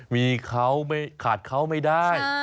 มีเขาขาดเขาไม่ได้